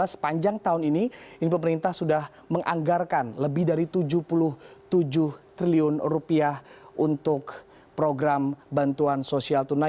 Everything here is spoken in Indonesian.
sepanjang tahun ini pemerintah sudah menganggarkan lebih dari tujuh puluh tujuh triliun untuk program bantuan sosial tunai